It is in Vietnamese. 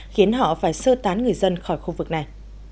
khiến họ phải sơ tán người dân khỏi khu vực này